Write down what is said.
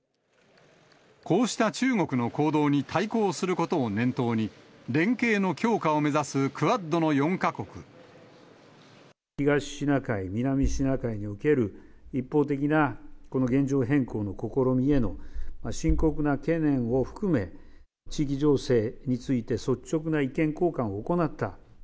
こうした中国の行動に対抗することを念頭に、連携の強化を目指す東シナ海、南シナ海における、一方的なこの現状変更の試みへの深刻な懸念を含め、地域情勢について率直な意見交換を行った。